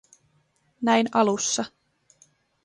Näin alussa.